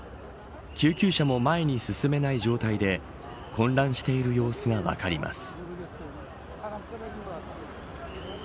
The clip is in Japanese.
救急車も前に進めない状態で混乱している様子が分かります。